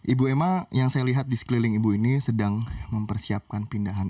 ibu emma yang saya lihat di sekeliling ibu ini sedang mempersiapkan pindahan